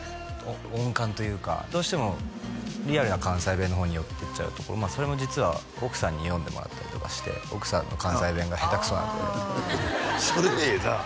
音感というかどうしてもリアルな関西弁の方に寄っていっちゃうとまあそれも実は奥さんに読んでもらったりとかして奥さんの関西弁が下手くそなんでそれええな